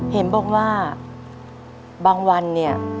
เห็นบอกว่าบางวันเนี่ย